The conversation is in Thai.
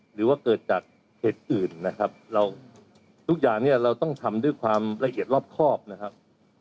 หรือว่าเกิดจากเหตุอื่นนะครับเราทุกอย่างเนี่ยเราต้องทำด้วยความละเอียดรอบครอบนะครับ